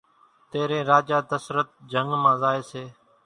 تيرين راجا ڌسترت جنگ مان زائي سي